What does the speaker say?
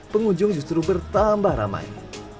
pengunjung justru bertambah ramai